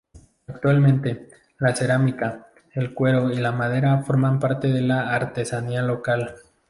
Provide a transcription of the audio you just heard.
Actualmente, la cerámica, el cuero y la madera forman parte de la artesanía local.